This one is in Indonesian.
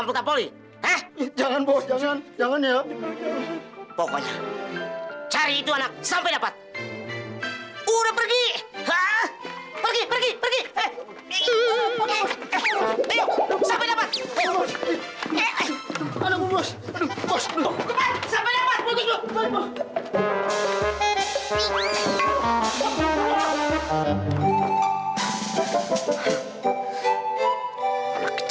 papa baik banget